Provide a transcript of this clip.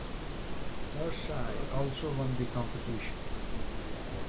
Her side also won the competition.